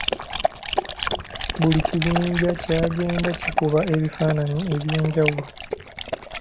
Buli kibinja kyagenda kikuba ebifaananyi eby’enjawulo.